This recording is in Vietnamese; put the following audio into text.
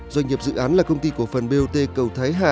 doanh nghiệp dự án là công ty cổ phần bot cầu thái hà